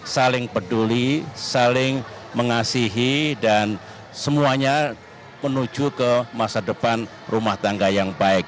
saling peduli saling mengasihi dan semuanya menuju ke masa depan rumah tangga yang baik